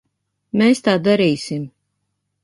Mēs tā darīsim.